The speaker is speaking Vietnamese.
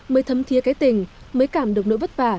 mới thấm thia cái tình mới cảm được nỗi vất vả